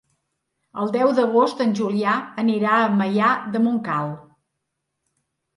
El deu d'agost en Julià anirà a Maià de Montcal.